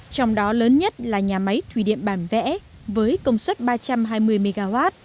trong đó lớn nhất là nhà máy thủy điện bản vẽ với công suất ba trăm hai mươi mw